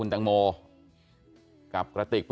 แล้วก็ไม่พบ